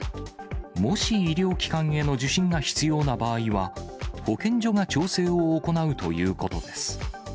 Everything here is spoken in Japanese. もし医療機関への受診が必要な場合は、保健所が調整を行うということです。